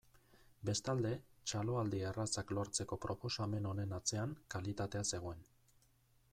Bestalde, txaloaldi errazak lortzeko proposamen honen atzean kalitatea zegoen.